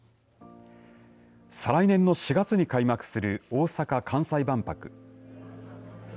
再来年の４月に開幕する大阪・関西万博。